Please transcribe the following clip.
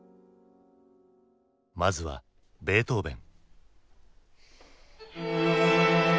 まずはベートーヴェン。